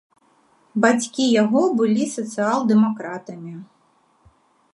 Бацькі яго былі сацыял-дэмакратамі.